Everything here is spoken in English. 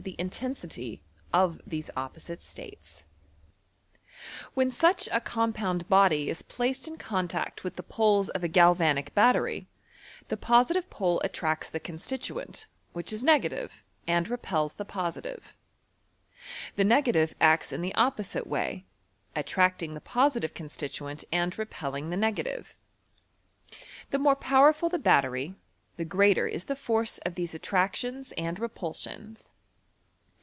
the intensity of these opposite states. S6B aatoat «7 CBEHwr&v. When such a compound body is placed in cout&ct with the poles of a galvanic battery, the positire pole attracts the constituent, whidi is negative, and repels the positive. The negative acts in the oppo wte way, attracting the positive constituent and re pelling the negative. The more powerful the bat tery, the greater is the force of these attractions aad repulsions.